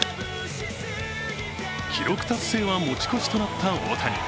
記録達成は持ち越しとなった大谷。